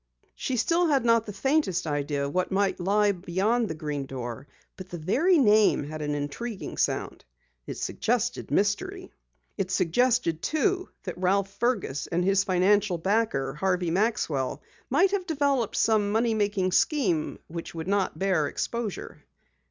She still had not the faintest idea what might lie beyond the Green Door, but the very name had an intriguing sound. It suggested mystery. It suggested, too, that Ralph Fergus and his financial backer, Harvey Maxwell, might have developed some special money making scheme which would not bear exposure.